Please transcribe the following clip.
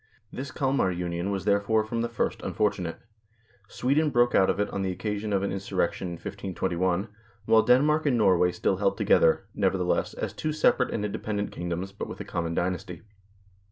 This " Kalmarunion " was therefore from the first unfortunate. Sweden broke out of it on the occasion of an insurrection in 1521, while Denmark and Norway still held together, never theless, as two separate and independent kingdoms, but with a common dynasty.